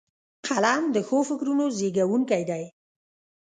قلم د ښو فکرونو زیږوونکی دی